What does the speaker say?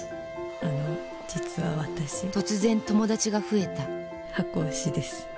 あの実は私突然友達が増えた箱推しです。